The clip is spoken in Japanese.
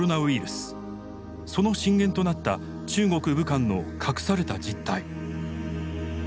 その震源となった中国・武漢の隠された実態。